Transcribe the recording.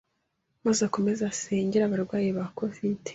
maze akomeze asengere abarwayi ba Covidi